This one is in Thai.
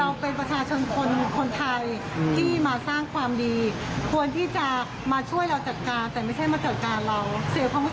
วันนี้มาขออนุญาตมาขออนุญาตให้ถูกต้อง